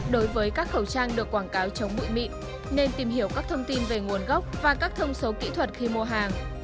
đối với các khẩu trang được quảng cáo chống bụi mịn nên tìm hiểu các thông tin về nguồn gốc và các thông số kỹ thuật khi mua hàng